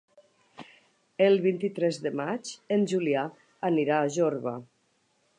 El vint-i-tres de maig en Julià anirà a Jorba.